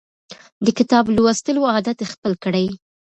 د کتاب لوستلو عادت خپل کړئ.